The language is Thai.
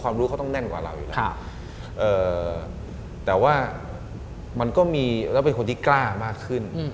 รู้เขาต้องแน่นกว่าเราอยู่แล้วแต่ว่ามันก็มีแล้วเป็นคนที่กล้ามากขึ้น